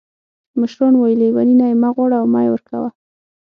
مشران وایي: لیوني نه یې مه غواړه او مه یې ورکوه.